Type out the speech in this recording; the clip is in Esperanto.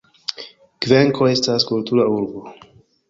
Kvenko estas kultura urbo.